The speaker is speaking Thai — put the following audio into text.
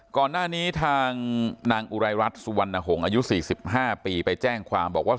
ก่อนหน้านี้ทางนางอุไรรัฐสุวรรณหงษ์อายุ๔๕ปีไปแจ้งความบอกว่า